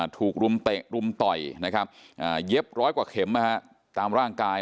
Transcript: ถูกรุมต่อยเย็บร้อยกว่าเข็มตามร่างกาย